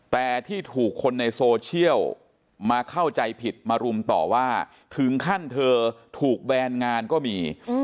แต่ที่ถูกคนในโซเชียลมาเข้าใจผิดมารุมต่อว่าถึงขั้นเธอถูกแบนงานก็มี